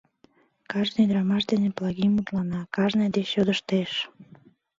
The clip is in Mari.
Кажне ӱдырамаш дене Плагий мутлана, кажне деч йодыштеш.